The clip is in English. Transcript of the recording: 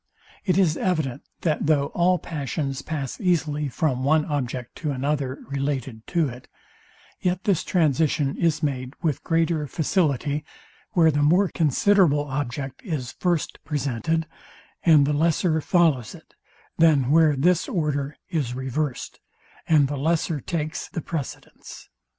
It is evident, that though all passions pass easily from one object to another related to it, yet this transition is made with greater facility, where the more considerable object is first presented, and the lesser follows it, than where this order is reversed, and the lesser takes the precedence.